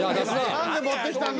何で持ってきたんだ。